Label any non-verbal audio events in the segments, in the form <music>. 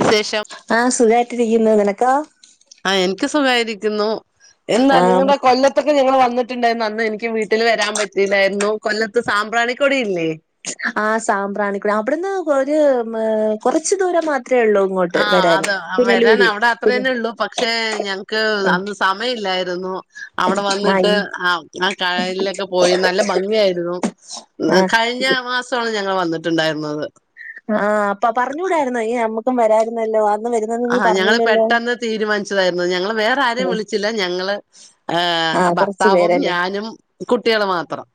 വിശേഷം ആ സുഖായിട്ടിരിക്കുന്നു നിനക്കൊ ഇക്ക് സുഖായിരിക്കുന്നു എന്താ ആ നിങ്ങടെ കൊല്ലത്തൊക്കെ ഞങ്ങള് വന്നി ട്ട്ണ്ടേനു എനിക്ക് വീട്ടില് വരാൻ പറ്റിയില്ലായിരുന്നു കൊല്ലത്ത് സാമ്പ്രാണിക്കൊടിയില്ലേ ആ സാമ്പ്രാണിക്കുഴി അവിടുന്ന് ഒരു മ് കുറച്ചു ദൂരം മാത്രം ആ അതാ വരാൻ അവിടെ പുന അത്രല്ലെള്ളു പക്ഷെ ഞങ്ങക്ക് ആ അന്ന് സമയില്ലായി അവിടെ ആ വന്നിട്ട് ഈ, ആ ആ കായലിലൊക്കെ പോയി നല്ല ഭംഗിയായിരുന്നു ആ കഴിഞ്ഞ മാസവാണ് ഞങ്ങൾ വന്നിട്ടുണ്ടായിരുന്നത് ആ അപ്പൊ പറഞ്ഞൂടായിരുന്നോ ഈ നമ്മുക്കും വരായിരുന്നല്ലോ അന്ന് വരുന്നെന്ന് ആ നീ ഞങ്ങള് പറഞ്ഞില്ലല്ലോ. പെട്ടെന്ന് തീരുമാനിച്ചതായിരുന്നു ഞങ്ങള് വേറെ ആരെയും ഉം. വിളിച്ചില്ല ഞങ്ങള് ഏ ആ കുറച്ച് ഭർത്താവും പേരല്ലേ. ഞാനും കുട്ടികളു മാത്രം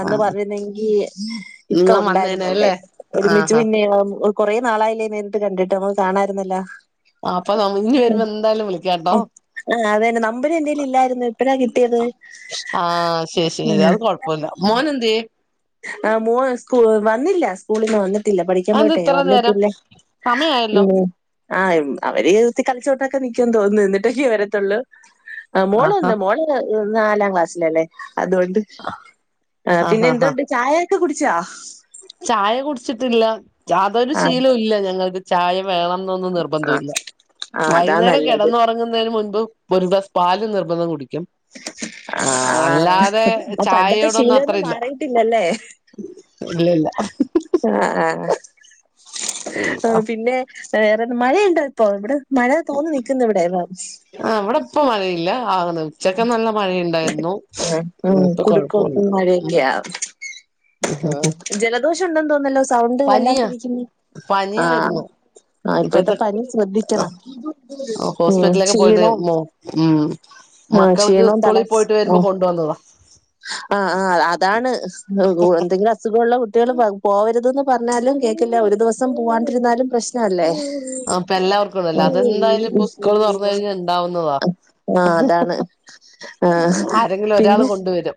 അന്ന് ആ പറഞ്ഞിര്ന്നെങ്കി ഇക്ക നിങ്ങള് ഉണ്ടായിരുന്നു ഇവിടെ വന്നേനല്ലേ ഒരുമിച്ച് ആഹാ പിന്നേം കൊറെ നാളായില്ലേ നേരിട്ട് കണ്ടിട്ട് മ്മള് കാണാര്ന്നല്ലൊ അപ്പൊ ഇനി വരുമ്പോ എന്തായാലും വിളിക്കാട്ടോ ആ അതന്നെ നമ്പരെന്തേ എപ്പഴാ കിട്ടിയത് ആ ശരി ആ ശരി അത് കൊഴപ്പൂല്ല മോനെന്തേ ആ മോൾ സ്കൂള് വന്നില്ല സ്കൂളീന്ന് വന്നിട്ടില്ല പഠിക്കാൻ അതെന്താ പോയിട്ടെ ഇത്ര നേരം വന്നിട്ടില്ല സമയായല്ലോ ഉം ആ അവര് ഒത്തി കളിച്ചോട്ത്തൊക്കെ നി ക്കും തോന്നുന്നു ന്നിട്ടൊക്കെ വരത്തൊള്ളൂ ആ ആഹാ മോളന്ന് മോള് നാലാം ക്ലാസ്സിലല്ലേ അതുകൊണ്ട് ആ പിന്നെ ആഹാ ഹാ എന്തുണ്ട് ചായൊക്കെ കുടിച്ചൊ ചായ കുടിച്ചിട്ടില്ല അതൊരു ആ ശീലവില്ല ഞങ്ങൾക്ക് ചായ വേണംന്നൊന്നും ആ നിർബന്ധല്ല ആ അതാ വൈകുന്നേരം നല്ലത് കിടന്നറങ്ങുന്നതിന് മുൻപ് ഒരു ഗ്ലാസ്‌ പാല് നിർബന്ധം കുടിക്കും ആ ആഹ ആ അല്ലാതെ ആ പണ്ടത്തെ ചായയോടൊന്നും അത്ര ശീലമൊന്നും ഇല്ല. മാറിയിട്ടില്ലല്ലേ ല്ല ആ ആ ആ പിന്നെ വേറെ മഴയുണ്ട ഇപ്പോ ഇവിടെ മഴ തോന്നി നിക്കുന്നു ഇവിടെ. ആ അവിടെ ഇപ്പ മഴയില്ല. ആ ഉച്ചക്കെ നല്ല മഴയുണ്ടായിരുന്നു. ഉം ഉ ഇപ്പൊ കൊഴപ്പില്ല. കുടുക്കോട്ടും മഴയൊക്കെയാ ജലദോഷം ഉണ്ടെന്ന് തോന്നല്ലോ സൗണ്ട് പനിയാ വല്ലാണ്ടരിക്കുന്നു. ആഹ് പനിയായിരുന്നു ആ ഇപ്പോഴത്തെ ഇപ്പഴത്തെ പനി ശ്രദ്ധിക്കണം. ഉ ചെയ്യണം. മ ഉം ആഹ മക്കൾക്ക് ക്ഷീണവും. തല സ്കൂളിൽ പോയിട്ട് വരുമ്പോ കൊണ്ടുവന്നതാ ആ ആ ആ അതാണ്. എന്തേങ്കിലും അസുഖ ഉള്ള കുട്ടികള് ഒരൂസം പോവെറുതെന് പറഞ്ഞാലും. കേൾക്ക ഒരു സം പോകണ്ടിരുന്നാലും പ്രശ്നം അല്ലേ. അപ്പൊ എല്ലാവർക്കും ഉണ്ടല്ലോ അതെന്തായാലും ഇപ്പൊ സ്കൂൾ തുറന്നു കഴിഞ്ഞാൽ ഉണ്ടാവുന്നതാ <inaudible> ആഹ അതാണ് ആ ആരെങ്കിലും ഒരാൾ പിന്നെ. കൊണ്ടുവരും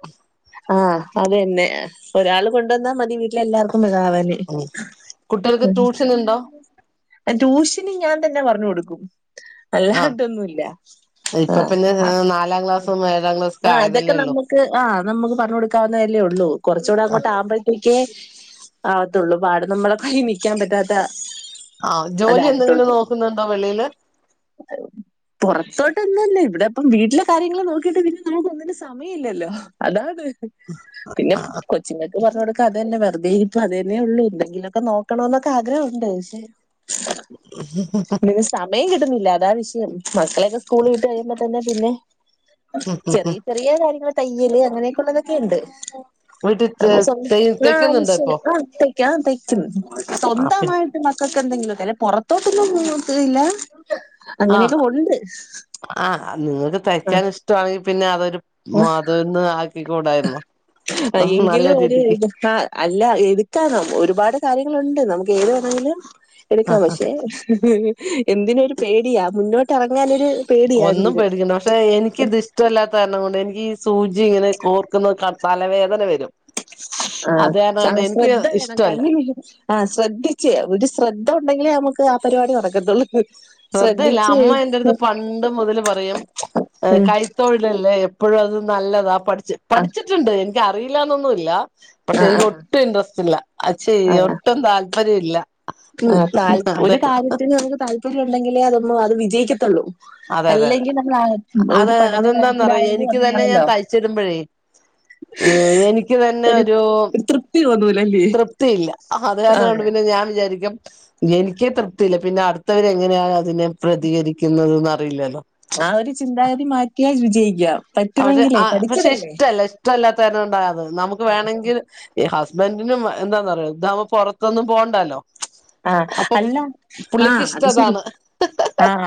ആഹ അത് തന്നെ ഒരാൾ കൊണ്ട വന്നാ മതി വീട്ടില എല്ലാർക്കും മെതാവാന്. ഉം കുട്ടികൾക്ക് ട്യൂഷൻ ഉണ്ടോ ട്യൂഷന് ഞാൻ തന്നെ പറഞ്ഞു കൊടുക്കും. ആഹ് അല്ലാണ്ടൊന്നുല്ല ആ ഇപ്പൊ പിന്നെ ആ നാലാം ക്ലാസ്സും ഏഴാം ക്ലാസ് ഒക്കെ ആ അതൊക്കെ ആയതല്ലേ ഉള്ളൂ നമ്മുക്ക് ആ നമ് പറ കൊക്കാവുന്നതല്ലേ. ഉള്ളൂറച്ചുകൂടെ അങ്ങോട്ടവുംമ്പ തെക്കെ ആവത്തുള്ളൂ പാട് നമ്മളെക്ക <unintelligible> നിൽക്കാൻ പറ്റാത്ത ആഹ ജോലി എന്തെങ്ങനെ നോക്കുന്നുണ്ടോ വെളിയില് പുറത്തോട്ട്ന്നന്നെ ഇവിടെപ്പം വീട്ടിലെ കാര്യങ്ങൾ നോക്കിയിട്ട് പിന്നെ നമുക്ക് ഒന്നിനും സമയ ല്ല ല്ലോ അതാണ് പിന്നെ കൊച്ചി പറഞ്ഞ കൊടുക്ക അതന്നെ വെറുതെ ഇപ്പ അത്തെന്നെ ഉള്ളൂ എന്തെിലൊക്കെ നോക്കണോ എന്നൊക്കെ ആഗ്രഹമുണ്ട് പഷേ പിന്നേ സമയം കിട്ടുന്നില്ല അതാ വിഷയം മക്കളൊക്കെ സ്കൂള വിട്ട് കഴിയുമ്പോ തന്നെ പിന്നെ ഉം ഉം ഉം ചെറിയ ചെറിയ കാര്യങ്ങൾ തയ്യല് അങ്ങനെയൊക്കെള്ളതൊക്കെണ്ട് വീട്ടിൽ ആ തയ് ആ തയ്ക്കുന്നുണ്ടോ മഷ ഇപ്പൊ ആ തക്ക തയ്ക്കുന്നു ആഹ് പിന്നെ സ്വന്തമായിട്ട് മക്കൾക്ക് എന്തെങ്കിലും തല്ല പുറത്തോട്ടന്നും പോ നോകല് ല്ല്യ അങ്ങനെയൊക്കെ ഉണ്ട് ആഹ നിങ്ങക്ക് ആ തയ്ക്കാൻ ഇഷ്ടമാണെങ്കിൽ പിന്നെ അതൊരു ആ മതംന്ന് കൂടായിരുന്നോ എങ്കിലും ഒരു അല്ല എടുക്കാനോ ഒരുപാട് കാര്യങ്ങളുണ്ട് നമുക്ക് ഏത് വേണമെങ്കിലും ആ എടുക്കാം ആ പക്ഷെ എന്തിന പേടിയാ മുന്നോട്ട്റങ്ങാനും ഒന്നും പേടിക്കണ്ട പക്ഷെ എനിക്ക ഇത്ഷ്ടമല്ലാത്ത കാരണം കൊണ്ട് എനിക്ക് സൂചി ഇങ്ങനെ കോർക്കുന്ന തലവേദന വരും ആ അത് കാരണം ആ കൊണ്ട് എനിക്ക് ശ്രദ്ധ വേണം ഇഷ്ടമല്ല കണ്ണ ആ് ശ്രദ്ധിച്ചേ ഒരു ശ്രദ്ധ ഉണ്ടെങ്കിലേ നമുക്ക് ആ പരിപാടി നടക്കത്തുള്ളൂ ശ്രദ്ധയില്ല ശ്രദ്ധിച്ച് അമ്മ എന്റാട്ത് അടുത്ത് പണ്ട് മുതല് പറയും ഉം കൈത്തൊഴിലല്ലേ അപ്പോഴും അത് നല്ലതാ പഠിച്ച ആഹ് പഠിച്ചിട്ടുണ്ട് എനക്ക്റിയില്ലന്നൊന്നുമല്ല പക്ഷെ എനിക്ക് ആഹ് ഒട്ടും ഇൻട്രസ്റ്റ് ഇല്ല അത് ചെയ ഒട്ടും താല്പര്യം ഇല്ല ഉം ആ അതെ ഒരു കാര്യത്തിന് അവർക്ക് താല്പര്യം ഉണ്ടെങ്കിലേ അതൊ അത് വിജയിക്കത്തുള്ളൂ അതെ അതെതെ അല്ലെങ്കിൽ നമ്മൾ ആ ഒരു അത് പഠന അതെന്താന്നറ കാര്യത്തിലായാലും എനിക്ക് തന്നെ ഞാൻ അങ്ങനെയാണല്ലോ തയ്ച്ചിടുമ്പോഴേ ഏർ എനിക്ക് തന്നെ ഒരു തൃപ്തിയില്ല അത് ആഹ് കാരണംണ്ട് പിന്നെ ഞാൻ വിരിക്ക എനിക്കേ തൃപ്തിയില്ല പിന്നെ അടുത്തവർ എങ്ങനെയാ അതിനെ പ്രതികരിക്കുന്നത് അറിയില്ലല്ലോ ആ ഒരു ചിന്താഗതി മാറ്റിയാൽ വിജയിക്കാം പക്ഷെ പറ്റുമെങ്കിലേ ആ പക്ഷെ പഠിച്ചതല്ലേ ഇഷ്ടമല്ല ഇഷ്ടമല്ലാത്തര ഉണ്ടായത് നമുക്ക് വേണമെങ്കിൽ ബെന്റിനും എന്താന്ന പറയ ഇതാവും പുറത്തൊന്നും പോകണ്ടല്ലോ ആഹ അല്ല ആഹ പുള്ളിക്ക് അത് ശരി ഇഷ്ടതാണ് ആഹ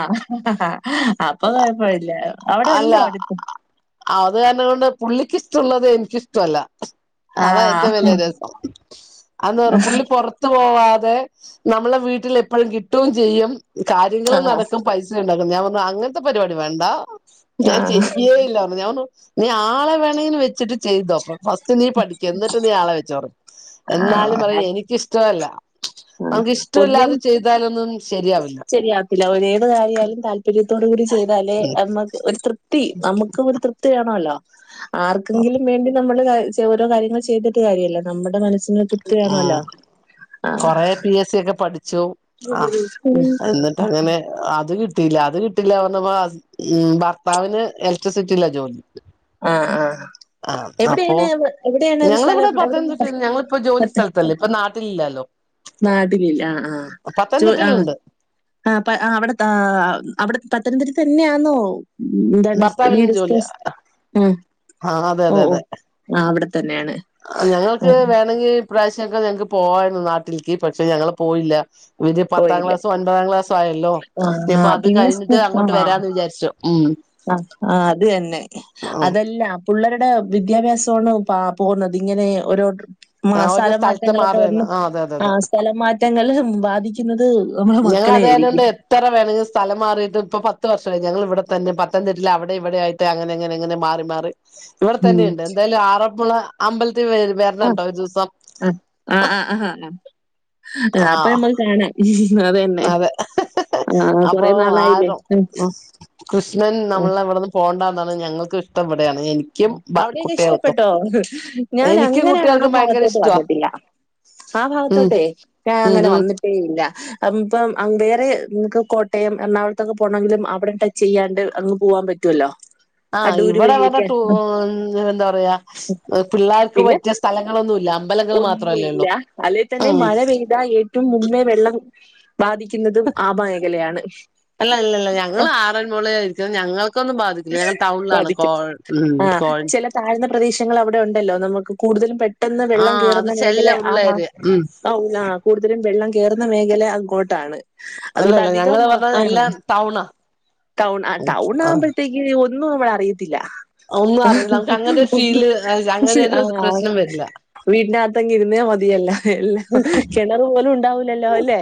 ഇപ്പൊ കുഴപ്പമില്ല അവിടെ ഉണ്ടോ അടുത്ത ആത് കാരണം കൊണ്ട് പുള്ളിക്ക് ഇഷ്ടമുള്ളത് എനിക്കിഷ്ടമല്ല ആ അതാ ഏറ്റവും വലിയ ദിവസം അന്ന് പറഞ്ഞ പുള്ളി പുറത്ത് പോവാതെ നമ്മളെ വീട്ടിൽ എപ്പോഴും കിട്ടും ചെയ്യും ആ കാര്യങ്ങളും നടക്കും പൈസ ഞാൻപർഞ്ഞു അങ്ങനത്തെ പരിപാടി വേണ്ട ആ ഞാൻ ചെയ്യേ ഇല്ല ഞാർന്നു നീ ആളെ വെണന്ന് വെച്ചിട്ട് ചെയ്തോപ്പ ഫസ്റ്റ് നീ പഠിക്കും എന്നിട്ട് നീ ആളെ വെച്ചോറും ആ. എന്നാലും പറയും എനിക്കിഷ്ടമല്ല നമുക്ക് ഇഷ്ടമല്ലാതെ ചെയ്താലൊന്നും ശരിയാവില്ല ചരിയാവത്തില്ല ഒേത് കാര്യാലും താല്പര്യം തോടുകൂടി ചെയ്താലേ നക്ക് ഒരു തൃപ്തി നമുക്ക് ഒരു തൃപ്തി വേണല്ലോ ആർക്കെങ്കിലും വേണ്ടി നമ്മള് ഓരോ കാര്യൾ ചെയ്തിട്ട് കാര്യമല്ല നമ്മുടെ മനസ് ഉ കൊറെ പി എസ് സി ഒക്കെ പഠിച്ചു ആ എന്നിട്ട് അങ്ങനെ ആ അത് കിട്ടിയില്ല അത് കിട്ടില്ല പറഞ്ഞപ്പോ ഉ ഭർത്താവിന് ഇലക്ട്രിസിറ്റി ഇല്ല ജോലി അ ആ ആഹ് അപ്പൊ എവിടെയാണ് എവിടെയാണ് ഞങ്ങളിവിടെ സ്ഥലം എവിടെ മ പത്തനംതിട്ടയിൽ ഞങ്ങളിപ്പോ ജോലി <unintelligible> സ്ഥലത്തല്ലേ ഇപ്പൊ നാട്ടിലില്ലാലോ നാട്ടികല്ല ആ് ആോ ആ പത്തനംതിട്ടയിലുണ്ട് ആപ്പ അവിടെ അവിടെ പത്തനംതിട്ട തന്നെയാണോ എന്താണ് ഭർത്താവിനും വീട്സ്ഥ ജോലിയാ ഉം ആഹ് അതെ ഓ അതെ ഓ അതെ ആ അവിടെ തന്നെയാണ് ആ ഇപ്രാവശ്യക്കേ ഞങ്ങക്ക് പോവായിരുന്നു നാട്ടിലേക്ക് പക്ഷെ ഞങ്ങള്ൾ പോയില്ല ഇര് പത്താം പോയില്ലേ ക്ലാസ്സും ഒൻപതാം ക്ലാസ ആയല്ലോ ആഹ് ഇനി ഇപ്പ ആഹ് അത് കഴിഞ്ഞട്ട്ങ്ങോട്ട് വരാ എന്ന് വിചാരിച്ചോ ആ് ആ അത് തന്നെ ആഹ് അതെല്ല പിള്ളേരുടെ വിദ്യാഭ്യാസമാണ് പ പോകുന്നത് ഇങ്ങനെ ഓരോ മ ഓരോ സ്ഥല സ്ഥലത്ത് മാറ്റങ്ങളൊക്കെ വന്ന് മാറുവായിരുന്നു ആഹ് അതെ അതെ അതെ ആ സ്ഥലം മാറ്റങ്ങൾ ബാധിക്കുന്നത് നമ്മളെ ഞങ്ങ മക്കളെ അതായതോണ്ട് ആയിരിക്കും എത്ര വേണമെങ്കിൽ സ്ഥലം മാറിയിട്ട് ഇപ്പ പ പത്ത് വർഷമായി ഞങ്ങ ഇവിടെ തന്നെ പത്തംതിട്ട അവിടെ ഇവിടെ ആട്ട് അങ്ങനെ അങ്ങനെങ്ങനെ മാറി മാറി ഇവിടെ ഉം തന്നെയുണ്ട് എന്തായാലും ആറപ്പള അമ്പല ആഹ് വരണംണ്ടോ ഒരു ദിവസം ആ അപ്പൊ ആഹ് നമ്മൾ കാണാം അതന്നെ അതെ ആഹ് അപ്പൊ കൊറേ നാളായില്ലേ ആര ഉം കൃഷ്ണൻ നമ്മള ഇവിടെന്ന് പോകണ്ട ഞങ്ങൾക്ക്ഷ്ട അവിടെൊക്കെ ഇഷ്ടപ്പെട്ടോ ഞാൻ എനിക്കും അങ്ങനെ ആ കുട്ടികൾക്കും ഭയങ്കര ഭാഗത്തോട്ട് ഇഷ്ടവാ വന്നിട്ടില്ല ആ ഉം ഭാഗത്തോട്ടേ ഉം അങ്ങനെ ഉം വന്നിട്ടേ ഇല്ല ഇപ്പം വേറെ നമുക്ക് കോട്ടയം എറണാകുളത്തൊക്കെ പോണമെങ്കിലും അവിടെ ടച്ച് ചെയ്യാണ്ട് അങ്ങ് പോവാൻ പറ്റുവല്ലോ ആഹ് ഇവിടെവിടെ ട എന്താ പറയാ പിള്ളേർക്ക് പറ്റിയ സ്ഥലങ്ങള ഒന്നും ഇല്ല അല്ലേ തന്നെ ഉം മഴ പെയ്താ ഏറ്റവും മുമേ വെള്ളം ബാധിക്കുന്നതും ആപ മേഖലയാണ് അല്ല ഇല്ല ഇല്ല ഞങ്ങൾ അഹ് ആറന്മോള ആായിരിക്കുന്നത് ഞങ്ങൾക്കൊന്നും ബാധിക്ക ഞങ്ങൾ ടൗണിലാണ് കോ ബാധിക്കും ഉ കോഴഞ് ഷങ്ങൾ അവിടെണ്ടല്ലോ നുക്ക് കൂടുതലും പ പെട്ടെന്ന് വെള്ളം ആഹ് അത് കയറുന്ന ചെല്ല മേഖല ആ ഉള്ള ഭാ ഏരിയ ഉം കൂടുതലും വെള്ളം കയറന്ന മേഖല അങ്ങോട്ടാണ് അതുകൊണ്ട് അല്ലല്ല ഞങ്ങള് അധികം പറഞ്ഞ ആ എല്ലാം ടൗണാ ടൗൺ ആ ടൗൺ ആഹ് ആുമ്പോ ഒന്നും നമ്മള അറിയത്തില്ല ഒന്നും അറിയില്ല നമുക്ക് അങ്ങനെ ഒരു <unintelligible> ഫീല് അങ്ങനെ ഒരു ആഹാ പ്രശ്നം വരില്ല വീട്ടിനകത്ത കി ഇരുന്നേ മതിയല്ല എല്ലാം കിണർ പോലും ഉണ്ടാവൂലല്ലോ അല്ലേ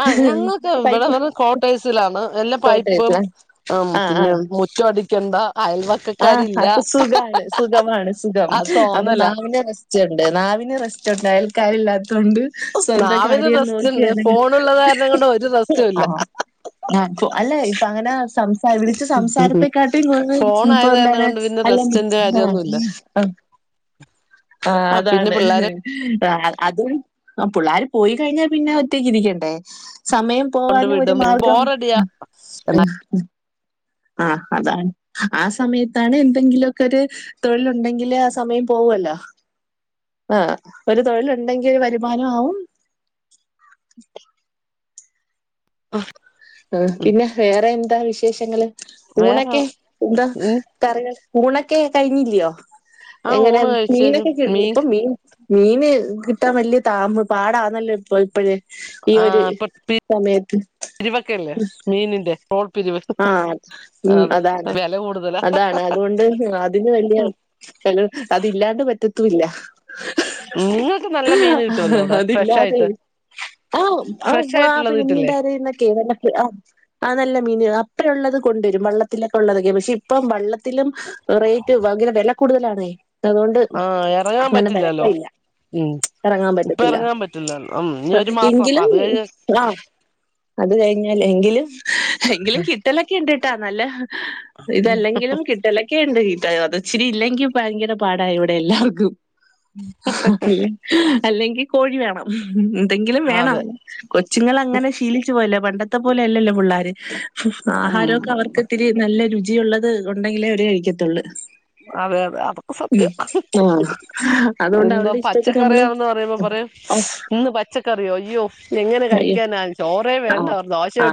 ആ ഞങ്ങളൊക്കെ ഇവിടെ പൈപ്പ് പറ കോട്ടേഴ്സിലാണ് എല്ലാ പൈപ്പും തോട്ടയല്ല ആ പിന്നെ മുറ്റമടിക്കണ്ട എന്താ ആഹ അത് സുഖാണ് സുഖമാണ് സുഖം അത് അപ്പൊ തോന്നലാ നാവിന് റസ്റ്റ്‌ വേണ്ടേ നാവിന് റസ്റ്റ്‌ ണ്ടായാൽ കയല്ല ത്തോണ്ട് സ്വന്തം നാവിന് കാര്യം റെസ്റ്റ് നോക്കി ഉണ്ട് അല്ലെങ്കി ഫോണുള്ളത് കാരണം കൊണ്ട് ഒരു റെസ്റ്റും ഇല്ല ആ ആഹ അല്ലെ ഇപ്പൊ അങ്ങനെ സംസാ വിളിച്ച സംസാറീപ്പാക്കട്ടി കൂടുതൽ ഫോൺ ഇപ്പോ ആയത് കാരണം എന്താണ് കൊണ്ട് പിന്നെ അല്ല റെസ്റ്റിന്റെ കാര്യമൊന്നുമില്ല ആ ആഹ ആഹ് പിന്നെ അതാണ് പിള്ളേരെ ഹാ അതും പുള്ളാർ പോയി കഴിഞ്ഞാൽ പിന്നെ ഒറ്റയക്കിരിക്കണ്ടേ സമയം കൊണ്ട് പോവാനും ഒരു വിടും മാർഗം ബോറടിയാ എ ആ അതാണ് ആ സമയത്താണ് എന്തെങ്കിലുമൊക്കെ ഒരു തൊഴിലുണ്ടെങ്കില് ആ സമയം പോവും ല്ലോ ആ ഒരു തൊഴിലുഉണ്ടെങ്കിൽ ഒരു വരുമാന ആവും എ ആഹ് ആ പിന്നെ വേറെ എന്താ വിശേഷങ്ങള് വേറെ ഊണൊക്കെ എന്താ ഇനി കറികൾ ഊണൊക്കെ കഴിഞ്ഞില്ലയോ ആ എങ്ങനെ ഊണ് കഴിച്ച് കഴിഞ്ഞ് മീനൊക്കെ ഇപ്പ മീൻ മീ മീൻ കിട്ടാൻ വലിയ പാടാണല്ലോ ഇപ്പോ അപ്പഴ് ഈ ആ ഒരു സമയത്ത് ല്ല മീനിന്റെ ട്രോൾ പിരിവ് ആ ഉം അത് അതാണ് വില കൂടുതലാ അതാണ് അതുകൊണ്ട് അതിന് വല്യ അതില്ലാണ്ട് പറ്റത്തുല്ല നിങ്ങൾക്ക് നല്ല മീൻ കിട്ടുവല്ലോ അവിടെ ഫ്രഷ് ആയിട്ട് ആഹ ഫ്രഷ് ആ ആ ആയിട്ടുള്ളത് പിന്നെ കിട്ടില്ലേ നീണ്ടാരി ന്നൊക്കെ വല്ലക്കെ ആ ആ നല്ല അത്ര ഉള്ളത് കൊണ്ടുവരും വെള്ളത്തിലൊക്കെ ഉള്ളതൊക്കെ പക്ഷെ ഇപ്പ വെള്ളത്തിലും റേറ്റ് ഭയങ്കര വില കൂടുതലാണേയ് ആ ഇറങ്ങാൻ പറ്റില്ലല്ലോ ഉം ഇറങ്ങാൻ ഇപ്പ പറ്റത്തില്ല ഇറങ്ങാൻ പറ്റില്ലോ ഉം ഇനി ഒരു മാസം എങ്കിലും അത് കഴിഞ്ഞ് ആ <unintelligible> അത് കഴിഞ്ഞാൽ എങ്കിലും എങ്കിലും കിട്ടാൻ ണ്ടിട്ടാ നല്ല ഇതല്ലെങ്കിലും കിട്ടലൊക്കെ ണ്ട് അതൊച്ചിരി ഇല്ലെങ്കിൽ ഭയങ്കര പാടാ ഇവിടെ എല്ലാവർക്കും അ അല്ലെങ്കി കോഴി വേണം ന്തെങ്കിലും വേണം അതെ കൊച്ചുങ്ങൾ അങ്ങനെ ശീലിച്ചു പോയില്ലോ പണ്ടത്തെ പോലെ അല്ലല്ലോ പുള്ളാര് ഉം ആഹാരൊക്കെ അവർക്ക് ഇത്തിരി നല്ല രുചിയുള്ളത് ഒണ്ടെങ്കിലേ അവര് കഴിക്കത്തുള്ളൂ അതെ അതെ അതൊക്കെ സത്യം ആ അതുകൊണ്ട് എന്താ അവരുടെ ഇഷ്ടത്തിന് നമ്മള് പച്ചക്കറിയാണെന്ന് പറയുമ്പോ പറയും ഓ ഇന്ന് പച്ചക്കറിയോ അയ്യോ എങ്ങനെ അയ്യോ കഴിക്കാനാ ചോറ് ആ ആ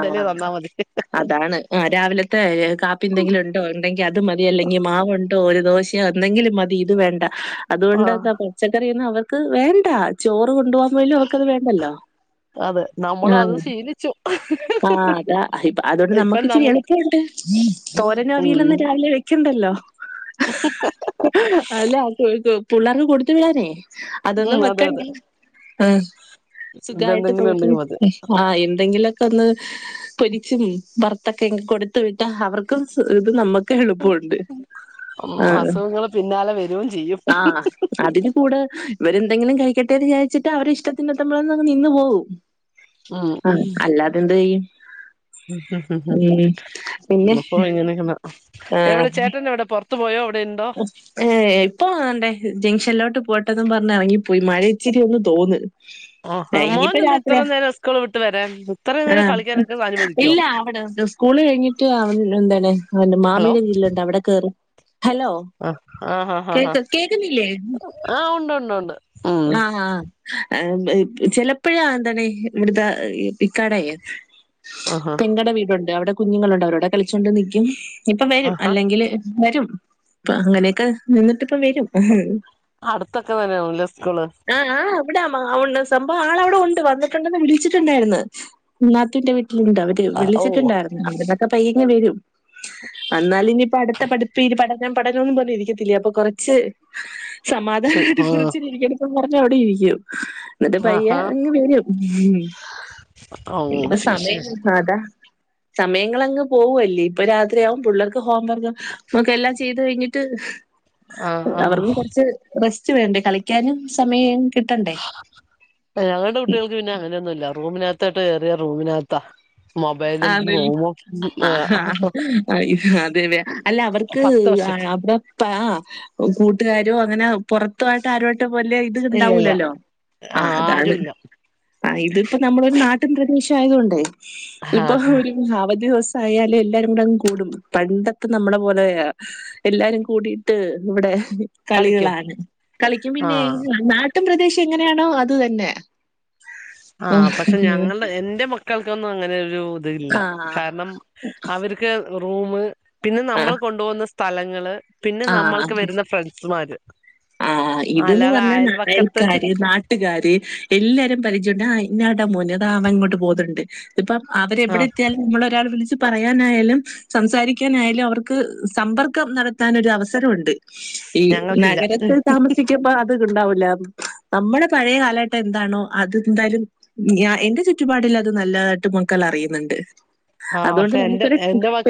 അതാണ് ആ രാവിലെ ത്തെ കാപ്പി ന്തെങ്കിലും ണ്ടോ ണ്ടെങ്കിൽ അത് മതി അല്ലെങ്കിൽ മാവുണ്ടോ ഒരു ദോ ഷ ന്തെങ്കിലും മതി ഇത് വേണ്ട ആഹ് അതുകൊണ്ട്ന്താ പച്ചക്കറിന്നും അവർക്ക് വേണ്ടാ ചോ റ് കൊണ്ടോവാൻ പോലും അവർക്കത് വേണ്ടല്ലോ ആ ചു അ ആ അതാ അതുകൊണ്ട് നമ്മുക്ക് ഇച്ചിരി എളുപ്പുണ്ട് തോരനും ഉം അവിയലൊന്നും രാവിലെ വെക്കണ്ടല്ലോ <inaudible> അല്ല പുള്ളാർക് കൊടുത്ത് വിടാനയ് ഉം അതൊന്നും അതെ വെക്കണ്ട അതെ ആ സുഖായിട്ട് ഇതെന്തെങ്കിലും നോക്കും ഉണ്ടെങ്കിൽ മതി ആ എന്തെങ്കിലും ലൊക്കൊന്ന് പൊരിച്ചും വറത്തോക്കെ കൊടുത്ത് വിട്ട അവർക്കും സു ഇത് നമ്മ ക്കും എളുപ്പണ്ട് ഉം അസുഖങ്ങള് പിന്നാലെ വരൂം ചെയ്യും ആ ആ അതിന് കൂടെ ഇവരെന്തെങ്കിലും കഴിക്കട്ടെന്ന് വി വിചാരിച്ചിട്ട് അവരെ ഇഷ്ടത്തിനെത്തുമ്പോഴ നിന്ന് പോവും അ അല്ലാതെന്തെയ്യും മ്ഹ്ഹ്ഹ് പിന്നെ <unintelligible> എവിടെ ചേട്ടനെവിടെ പൊർ ഏ പ്പൊ വാണ്ടേ ജംഗ്ഷനിലോട്ട് പോട്ടെന്നും പറഞ്ഞ് എറങ്ങിപ്പോയി മഴ ഇച്ചിരിയൊന്ന് തോന്ന് <inaudible> ആ ഹാ ഏഹ് ഇനിയിപ്പ മോനെന്താ രാത്രിയാ. ഇത്രനേരം സ്കൂള് വിട്ട് വരാൻ ഇത്രനേരം ആഹ്. കളിക്കാനൊക്കെ അനുവദിക്കോ സ്കൂള്കഴിഞ്ഞിട്ട് അവൻ എൻന്തണ് അവന്റെ ഹലോ മാമിടെ <unintelligible> അവടെകേറും ആഹ് ആഹ് ആഹ് ആഹ് കേക് കേക്കുന്നില്ലേ ആഹ് ഉണ്ട് ഉണ്ട് ഉണ്ട് ഉം ആഹ <unintelligible> ചെലപ്പഴാ എന്താണ് ഇവിട്ത്തെ ഇക്കാടെ ആഹാ പെങ്ങടെ വീടൊണ്ട് അവിടെകുഞ്ഞുങ്ങളുണ്ട് അവരോടെകളിച്ചോണ്ട്നിക്കും ഇപ്പവരും ആഹാ അല്ലെങ്കില് വരും ഇപ്പ അങ്ങനെയൊക്കെ നിന്നിട്ടിപ്പവരും അടുത്തൊക്കെ തന്നെയാവുല്ലെ സ്കൂള്? വിടെ <unintelligible> സംഭവം ആൾ അവടെ ഒണ്ട് വന്നിട്ടുണ്ടെന്ന് വിളിച്ചിട്ടുണ്ടായിരുന്നു നാത്തൂന്റെ വീ ട്ടിലുണ്ട് അവടെ ഓ വിളിച്ചിട്ടുണ്ടായിരുന്നു അവിടെന്നൊക്കെപയ്യേങ്ങവരും ന്നാല് പ്പൊനിയിപ്പഅടുത്ത പഠിപ്പ് പഠ ഞാൻ പഠനൊന്നും പറഞ്ഞ് ഇരിക്കത്തില്ലേ അപ്പൊകൊറച്ച് സമാധാനായിട്ട് ഉം കൊറച്ചേരം ഇരിക്കട്ടെ ന്നും പറഞ് അവിടെ ഇരിക്കും ആഹാ എന്നിട്ട്പയ്യെങ്ങ് വെരും ഓ ഇനിയിപ്പോ ശരി ശരി സമയം അതാ സമയങ്ങളങ്ങ്പോവല്ലേ ഇപ്പൊരാത്രിയാവും പിള്ളേർക്ക് ഹോംവർക്ക് നമുഎല്ലാം ത്കഴിഞ്ഞിട്ട് ആഹ് അവർക്കും ആഹ് കൊറച്ച് റെസ്റ്റ് വെണ്ടെ കളിക്കാനുംസമയ ഞങ്ങളുടെ കുട്ട്യാൾക്ക്പിന്നെ അങ്ങനൊന്നുല്ല റൂമിനകത്തോട്ട് കേറിയ റൂമിനകത്താ മൊബൈലും റൂമും <unintelligible> അല്ല അവർക്ക് പത്ത് വർഷത്തി <unintelligible> കൂട്ടുകാരോ അങ്ങനെ പൊറത്തുവായിട്ട് ആരോയിട്ട്പോലെ ഇല്ലല്ല ഇത്ണ്ടാവൂലല്ലോ ആ അതാണ് ആരുല്ല ആ ഇതിപ്പോനമ്മളൊരു നാട്ടിൻ പ്രദേശായതോണ്ടെയ് ആഹ് ഇപ്പൊരു അവധിദിവസ ആയാലും എല്ലാരുംകൂടെങ്ങ്കൂടും പണ്ടത്തെനമ്മളെ പോലെ എല്ലാരും കൂടിട്ട്ഇവിടെ കളിക്കും കളികളാണ് കളിക്കുംപിന്നെ ആഹ് നാട്ടുംപ്രദേശം എങ്ങനെയാണോഅത് തന്നെ ആ പക്ഷെ ഞങ്ങളുടെ എന്റെ മക്കൾക്കൊന്നും അങ്ങനെഒരു തില്ല ആഹ് കാരണം അവർക്ക് റൂമ് പിന്നെനമ്മൾ ആഹ് കൊണ്ടുപോകുന്ന സാ സ്ഥലങ്ങള് പിന്നെനമ്മൾക്ക് വരുന്നഫ്രണ്ട്സ്മാര് ആ ഇത് ന്ന്പറഞ്ഞ അായൽക്കാര് നാട്ടുകാര്എല്ലാരും പരി <unintelligible> പിന്നടമോന് അതാഅവൻ ഇങ്ങോട്ട് പോകുന്നുണ്ട് ഇപ്പൊ ആ അവരെവിടെത്തിയാലും നമ്മളൊരാൾ വിളിച്ച് പറയാനായാലും സംസാരിക്കാനായാലും അവർക്ക് സമ്പർക്കം നടത്തനൊരുഅവസരുണ്ട് ഈ ഞങ്ങൾക്കില്ല നഗരത്തിൽ താമസിക്ക്മ്പോ അത്ണ്ടാവൂലാ നമ്മുടെപഴയകാലഘട്ടം എന്താണോ അതെന്തായാലും എന്റെചുറ്റുപാടിൽ അത് നല്ലതായിട്ട്മക്കൾ ളറിയുന്നുണ്ട് ആ പക്ഷെ എന്റെ എന്റെ <unintelligible> മ